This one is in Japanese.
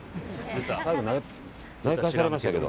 最後投げ返されましたけど。